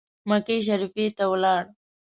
مکې شریفي ته ولاړ.